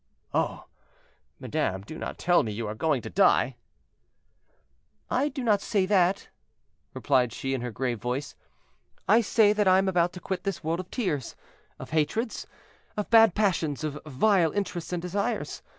"Oh! madame, do not tell me you are going to die." "I do not say that," replied she in her grave voice; "I say that I am about to quit this world of tears—of hatreds—of bad passions—of vile interests and desires.